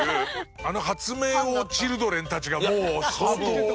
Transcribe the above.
あの発明王チルドレンたちがもう相当。